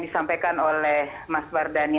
disampaikan oleh mas mardani